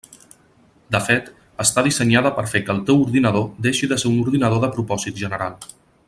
De fet, està dissenyada per fer que el teu ordinador deixi de ser un ordinador de propòsit general.